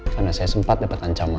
karena saya sempat dapat ancaman